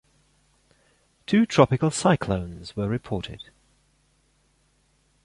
Two tropical cyclones were reported.